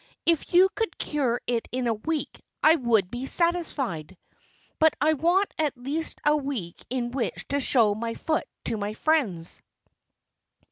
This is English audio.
If you could cure it in a week I would be satisfied. But I want at least a week in which to show my foot to my friends."